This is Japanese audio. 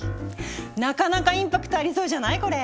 なかなかインパクトありそうじゃないこれ？